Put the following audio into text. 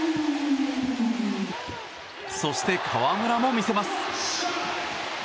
そして、河村も魅せます。